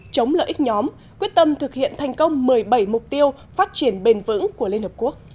chống lợi ích nhóm quyết tâm thực hiện thành công một mươi bảy mục tiêu phát triển bền vững của liên hợp quốc